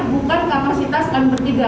bukan kapasitas kami bertiga